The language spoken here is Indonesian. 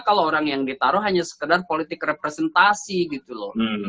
kalau orang yang ditaruh hanya sekedar politik representasi gitu loh